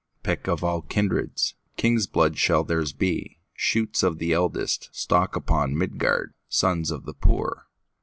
Pick of all kindreds, King's blood shall theirs be, Shoots of the eldestStock upon Midgard, Sons of the poor.